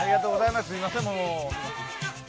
すみません。